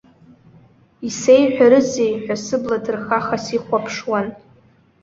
Исеиҳәарызеи ҳәа сыбла ҭырхаха сихәаԥшуан.